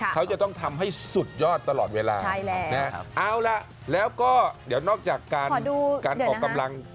เขาจะต้องทำให้สุดยอดตลอดเวลาเอาล่ะแล้วก็เดี๋ยวนอกจากการออกกำลัง